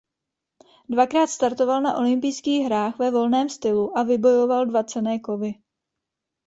Dvakrát startoval na olympijských hrách ve volném stylu a vybojoval dva cenné kovy.